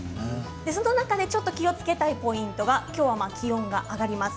その中でちょっと気をつけたいポイント、今日は気温が上がります。